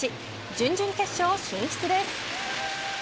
準々決勝進出です。